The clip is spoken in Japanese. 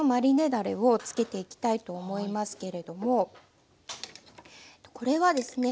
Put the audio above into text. だれを漬けていきたいと思いますけれどもこれはですね